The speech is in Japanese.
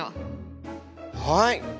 はい！